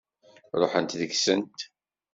Ṛuḥent deg-sent.